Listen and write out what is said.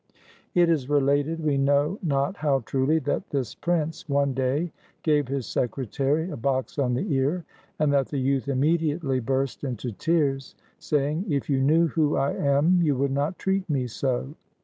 It is related, we know not how truly, that this prince one day gave his secretary a box on the ear, and that the youth immediately burst into tears, saying, ''If you knew who I am, you would not treat me so."